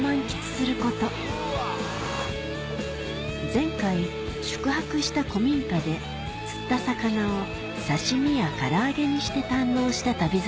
前回宿泊した古民家で釣った魚を刺し身や唐揚げにして堪能した『旅猿』